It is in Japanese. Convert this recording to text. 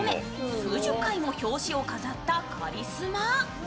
数十回も表紙を飾ったカリスマ。